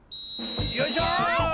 よいしょい！